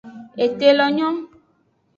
Ete lo nyo.